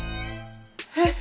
えっ！